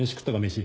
飯。